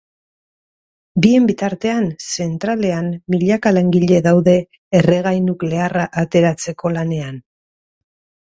Bien bitartean, zentralean milaka langile daude erregai nuklearra ateratzeko lanean.